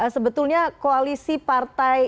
sebetulnya koalisi partai